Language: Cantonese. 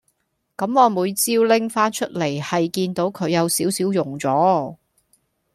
咁我每朝拎返出嚟係見到佢有少少溶咗